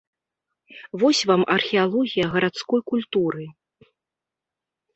Вось вам археалогія гарадской культуры.